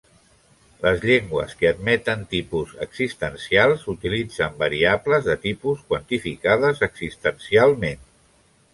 Les llengües que admeten tipus existencials utilitzen variables de tipus quantificades existencialment.